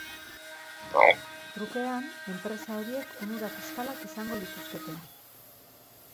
Trukean, enpresa horiek onura fiskalak izango lituzkete.